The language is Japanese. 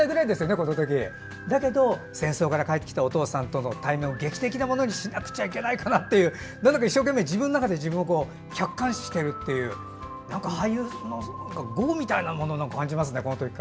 この時だけど戦争から帰ってきたお父さんとの対面を劇的なものにしなくちゃいけないかなっていうなぜか自分の中で一生懸命、自分自身を客観視しているという俳優さんの業みたいなものを感じますね。